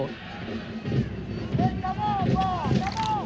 กินยิงประตูขึ้นนำสักครู่